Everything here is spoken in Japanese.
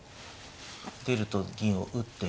出ると銀を打って。